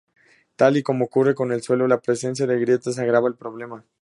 Tal y como ocurre con el suelo: la presencia de grietas agrava el problema.